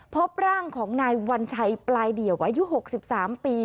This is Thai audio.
พบร่างของนายวัญชัยปลายเดี่ยวอายุ๖๓ปี